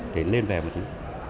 thì lên về một tí